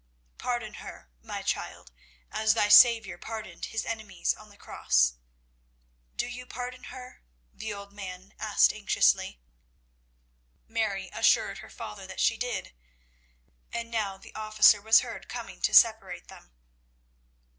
Pardon her, my child, as thy Saviour pardoned His enemies on the cross. Do you pardon her?" the old man asked anxiously. Mary assured her father that she did. And now the officer was heard coming to separate them.